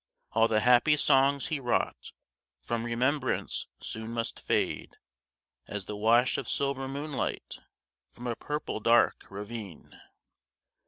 All the happy songs he wrought From remembrance soon must fade, As the wash of silver moonlight 15 From a purple dark ravine.